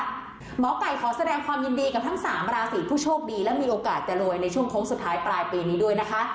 หมอไก่ขอแสดงความยินดีกับทั้งสามราศีผู้โชคดีและมีโอกาสจะรวยในช่วงโค้งสุดท้ายปลายปีนี้ด้วยนะคะ